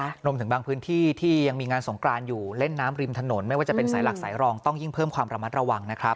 รวมถึงบางพื้นที่ที่ยังมีงานสงกรานอยู่เล่นน้ำริมถนนไม่ว่าจะเป็นสายหลักสายรองต้องยิ่งเพิ่มความระมัดระวังนะครับ